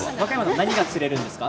何が釣れるんですか？